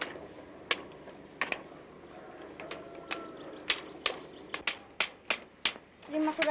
pak mangun ini masulatan siapa pak mangun